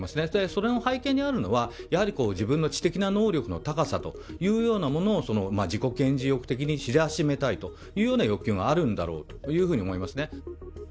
それの背景にあるのは、やはり自分の知的な能力の高さというようなものを、自己顕示欲的に知らしめたいというような欲求があるんだろうというように思いますね。